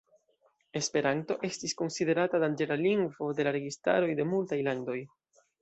Esperanto estis konsiderita "danĝera lingvo" de la registaroj de multaj landoj.